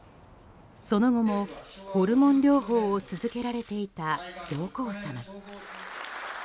その後もホルモン療法を続けられていた上皇さま。